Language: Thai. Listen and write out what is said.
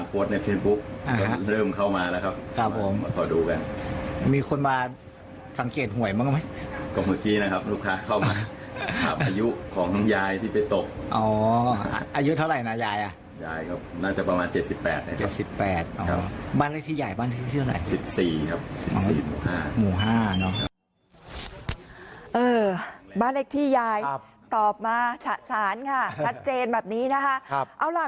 ปี๑๘บ้านเล็กที่ยายบ้านเล็กที่เท่าไหร่